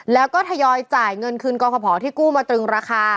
แล้วก็ทยอยจ่ายเงินคืนกรพที่กู้มาตรึงราคา